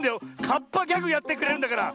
カッパギャグやってくれるんだから。